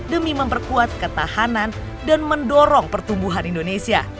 demi memperkuat ketahanan dan mendorong pertumbuhan indonesia